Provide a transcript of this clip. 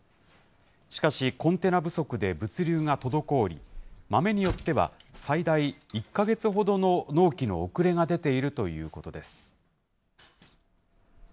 しかし、コンテナ不足で物流が滞り、豆によっては最大１か月ほどの納期の遅れが出ているということです。